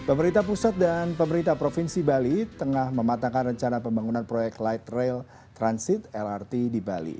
pemerintah pusat dan pemerintah provinsi bali tengah mematangkan rencana pembangunan proyek light rail transit lrt di bali